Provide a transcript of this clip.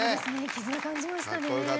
絆、感じましたね。